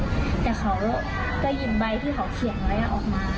แต่เขาก็หยิบใบที่เขาเขียนไว้ออกมา